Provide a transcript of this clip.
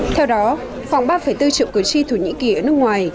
theo đó khoảng ba bốn triệu cử tri thổ nhĩ kỳ ở nước ngoài